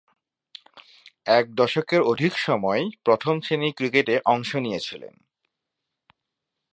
এক দশকের অধিক সময়ে প্রথম-শ্রেণীর ক্রিকেটে অংশ নিয়েছিলেন।